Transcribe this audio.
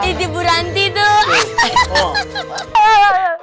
itu bu ranti tuh